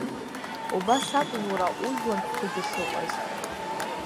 Убас акәын уара ужәлантәқәагьы шыҟаз.